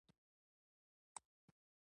باز ډیر ځواکمن مرغه دی